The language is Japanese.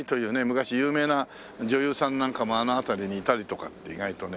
昔有名な女優さんなんかもあの辺りにいたりとかって意外とね。